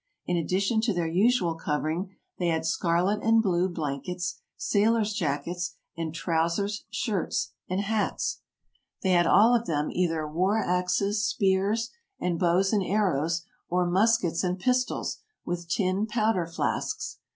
In addition to their usual covering, they had scarlet and blue blankets, sailors' jackets and trousers, shirts, and hats. 150 TRAVELERS AND EXPLORERS They had all of them either war axes, spears, and bows and arrows, or muskets and pistols, with tin powder flasks.